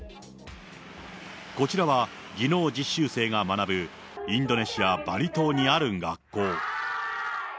こちらは、技能実習生が学ぶインドネシア・バリ島にある学校。